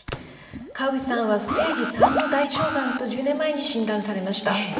川口さんはステージ３の大腸がんと１０年前に診断されました。